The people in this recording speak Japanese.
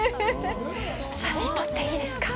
写真撮っていいですか？